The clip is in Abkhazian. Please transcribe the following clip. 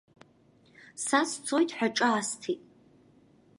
Са сцоит ҳәа ҿаасҭит.